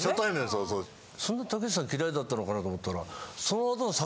その当時・そんな武さん嫌いだったのかなと思ったら。